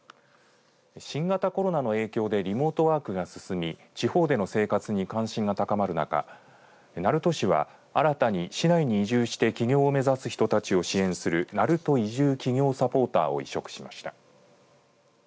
新型コロナの影響でリモートワークが進み地方での生活に関心が高まる中鳴門市は新たに市内に移住して起業を目指す人たちを支援するなると移住起業サポーターを委嘱しました。